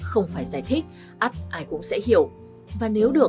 không phải giải thích ắt ai cũng sẽ hiểu